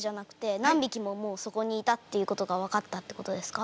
何匹ももうそこにいたっていうことが分かったってことですか？